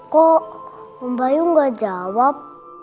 kok om bayu enggak jawab